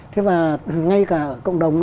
thế và ngay cả cộng đồng